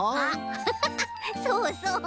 ハハハハそうそう。